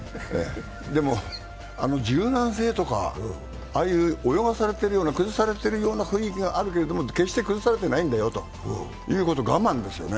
でも、あの柔軟性とか泳がされてるような、崩されているような雰囲気があるけれども、決して崩されていないんだよという我慢ですよね。